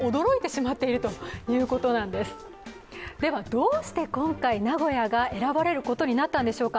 どうして今回名古屋が選ばれることになったんでしょうか。